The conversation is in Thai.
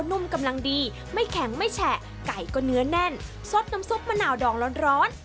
นุ่มกำลังดีไม่แข็งไม่แฉะไก่ก็เนื้อแน่นซดน้ำซุปมะนาวดองร้อน